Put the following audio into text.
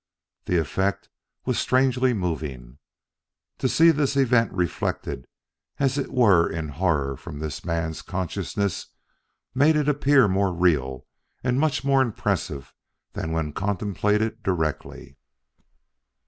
The effect was strangely moving. To see this event reflected as it were in horror from this man's consciousness made it appear more real and much more impressive than when contemplated directly.